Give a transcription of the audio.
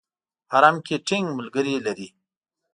حرم کې ټینګ ملګري لري.